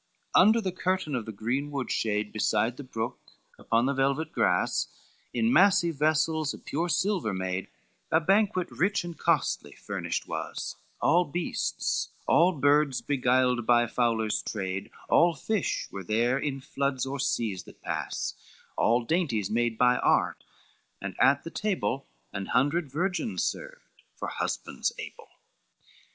LXIV "Under the curtain of the greenwood shade, Beside the brook upon the velvet grass, In massy vessel of pure silver made, A banquet rich and costly furnished was, All beasts, all birds beguiled by fowler's trade, All fish were there in floods or seas that pass, All dainties made by art, and at the table An hundred virgins served, for husbands able.